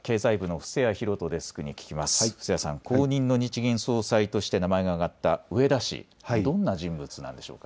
布施谷さん、後任の日銀総裁として名前が上がった植田氏、どんな人物なんでし